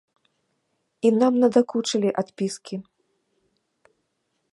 І нам надакучылі адпіскі.